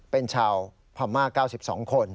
เป็นชาวพม่า๙๒คน